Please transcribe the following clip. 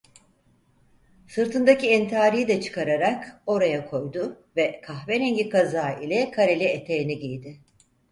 Sırtındaki entariyi de çıkararak oraya koydu ve kahverengi kazağı ile kareli eteğini giydi.